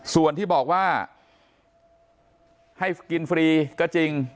ส่วนที่บอกว่าให้กินฟรีก็จริง